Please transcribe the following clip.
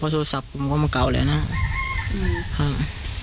เพราะโทรศัพท์ผมมันกเก่าแล้วน่ะอืม